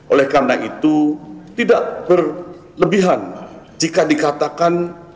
oleh karena itu tidak berlebihan jika dikatakan